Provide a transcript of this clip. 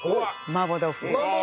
麻婆豆腐！